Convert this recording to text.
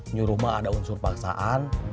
nyuruh rumah ada unsur paksaan